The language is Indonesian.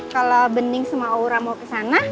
kalau bening sama aura mau kesana